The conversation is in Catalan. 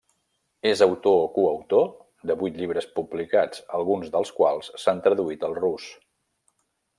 És autor o coautor de vuit llibres publicats, alguns dels quals s'han traduït al rus.